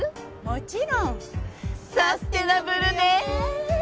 もちろんサステナブルね